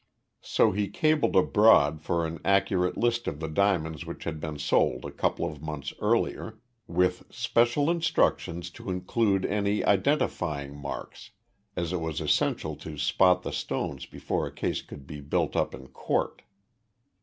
So he cabled abroad for an accurate list of the diamonds which had been sold a couple of months earlier, with special instructions to include any identifying marks, as it was essential to spot the stones before a case could be built up in court.